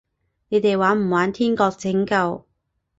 你哋玩唔玩天國拯救？